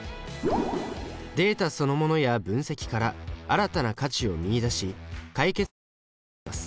データそのものや分析から新たな価値を見いだし解決策を示します。